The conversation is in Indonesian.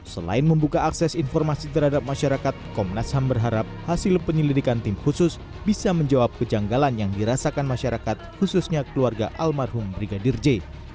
selain membuka akses informasi terhadap masyarakat komnas ham berharap hasil penyelidikan tim khusus bisa menjawab kejanggalan yang dirasakan masyarakat khususnya keluarga almarhum brigadir j